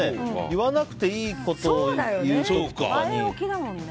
言わなくていいことを言う時とかに。